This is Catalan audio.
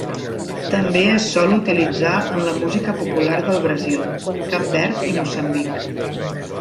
També és sol utilitzat en la música popular del Brasil, Cap Verd i Moçambic.